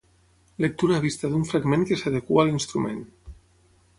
Lectura a vista d'un fragment que s'adequa a l'instrument.